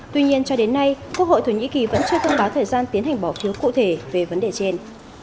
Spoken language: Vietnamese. tuy nhiên cho đến nay quốc hội thổ nhĩ kỳ vẫn chưa thông báo thời gian tiến hành bỏ phiếu cụ thể về vấn đề trên